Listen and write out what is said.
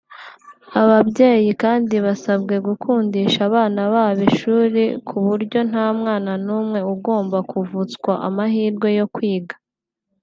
Ababyeyi kandi basabwe gukundisha abana babo ishuri ku buryo nta mwana n’umwe ugomba kuvutswa amahirwe yo kwiga